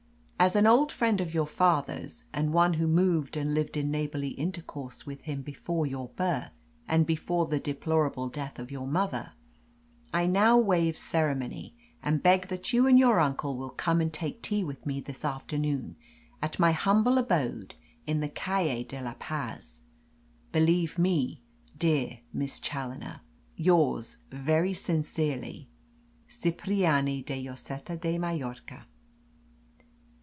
As an old friend of your father's, and one who moved and lived in neighbourly intercourse with him before your birth, and before the deplorable death of your mother, I now waive ceremony, and beg that you and your uncle will come and take tea with me this afternoon at my humble abode in the 'Calle de la Paz.' Believe me, dear Miss Challoner, yours very sincerely, "CIPRIANI DE LLOSETA DE MALLORCA."